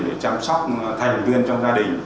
để chăm sóc thành viên trong gia đình